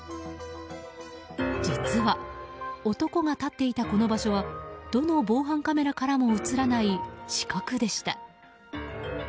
実は男が立っていたこの場所はどの防犯カメラからも映らない死角でした。